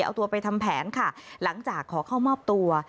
เอาตัวไปทำแผนค่ะหลังจากขอเข้ามอบตัว